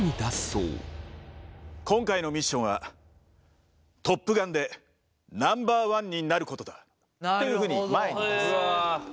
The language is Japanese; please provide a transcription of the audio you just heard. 「今回のミッションはトップガンでナンバーワンになることだ」というふうに前に出す。